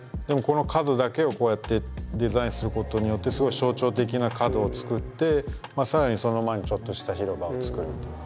でもこの角だけをこうやってデザインすることによってすごい象徴的な角を作ってさらにその前にちょっとした広場を作る。